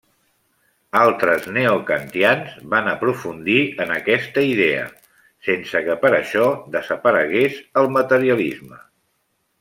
Altres neokantians van aprofundir en aquesta idea, sense que per això desaparegués el materialisme.